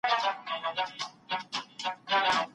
هغه د ميلمنو له خدمت څخه نه وزګارېږي.